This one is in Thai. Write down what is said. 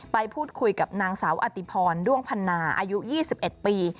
ไปพูดคุยกับนางสาวอติพรด้วงพันนาอายุ๒๑ปี